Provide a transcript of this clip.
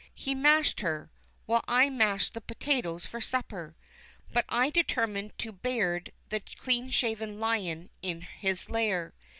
He mashed her, while I mashed the potatoes for supper. But I determined to beard the clean shaved lion in his lair.